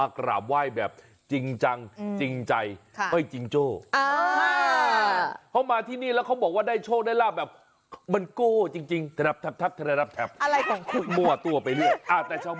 เข้ามาที่นี่แล้วเขาบอกว่าได้โชคได้ร่าบแบบ